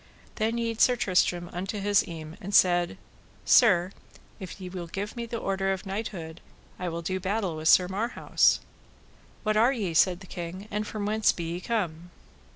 Then yede Sir Tristram unto his eme and said: Sir, if ye will give me the order of knighthood, I will do battle with Sir Marhaus. What are ye, said the king, and from whence be ye come?